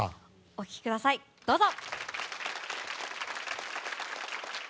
お聴きください、どうぞ。